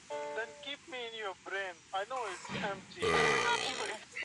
Baraza la mawaziri lina waziri mkuu na mawaziri wake wanaoteuliwa